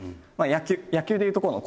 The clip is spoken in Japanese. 野球で言うところのこの。